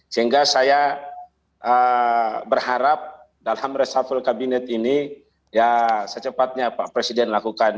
sehingga saya berharap dalam resafel kabinet ini ya secepatnya pak presiden lakukan